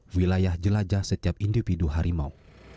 wilayah jelajah setiap individu harimau